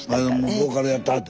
ボーカルやってはった。